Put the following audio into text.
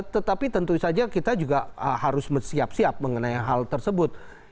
tetapi tentu saja kita juga harus siap siap mengenai hal tersebut